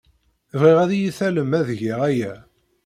Bɣiɣ ad iyi-tallem ad geɣ aya.